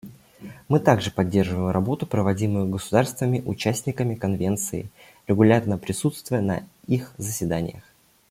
Мы также поддерживаем работу, проводимую государствами — участниками Конвенции, регулярно присутствуя на их заседаниях.